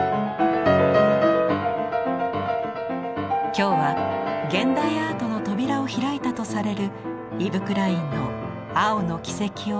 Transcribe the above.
今日は現代アートの扉を開いたとされるイヴ・クラインの青の軌跡をたどります。